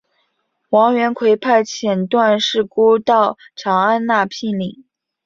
王元逵派遣段氏姑到长安纳聘礼。